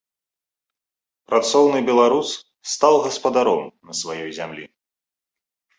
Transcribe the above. Працоўны беларус стаў гаспадаром на сваёй зямлі.